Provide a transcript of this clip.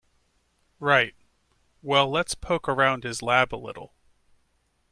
Right, well let's poke around his lab a little.